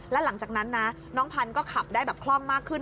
แล้วหลังจากนั้นนะน้องพันธุ์ก็ขับได้แบบคล่องมากขึ้น